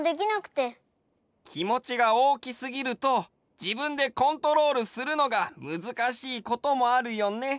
きもちがおおきすぎるとじぶんでコントロールするのがむずかしいこともあるよね。